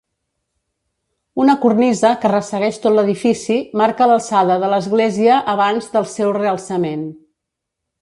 Una cornisa, que ressegueix tot l'edifici, marca l'alçada de l'església avanç del seu realçament.